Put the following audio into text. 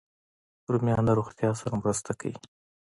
رومیان د روغتیا سره مرسته کوي